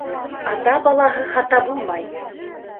Ата балаһы хата булмай.